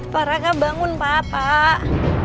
pak raka bangun pak pak